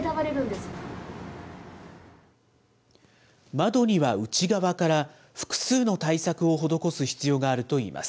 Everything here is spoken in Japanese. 窓には内側から、複数の対策を施す必要があるといいます。